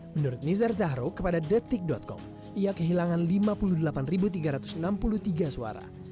menurut nizar zahro kepada detik com ia kehilangan lima puluh delapan tiga ratus enam puluh tiga suara